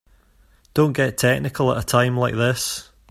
Don't get technical at a time like this.